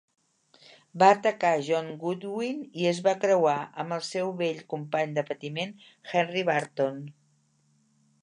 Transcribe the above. Va atacar John Goodwin i es va creuar amb el seu vell company de patiment, Henry Burton.